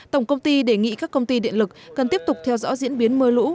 tổng công ty đề nghị các công ty điện lực cần tiếp tục theo dõi diễn biến mưa lũ